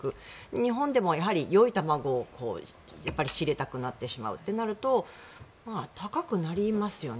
日本でもよい卵を仕入れたくなってしまうとなると高くなりますよね。